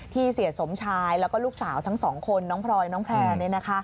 เสียสมชายแล้วก็ลูกสาวทั้งสองคนน้องพลอยน้องแพร่